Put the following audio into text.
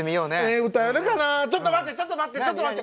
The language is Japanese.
え歌えるかなちょっと待ってちょっと待ってちょっと待って！